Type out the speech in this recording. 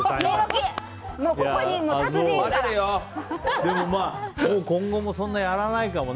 でも、今後もそんなにやらないかもね。